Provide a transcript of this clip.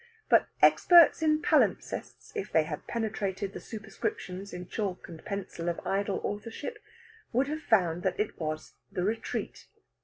But experts in palimpsests, if they had penetrated the superscriptions in chalk and pencil of idle authorship, would have found that it was The Retreat.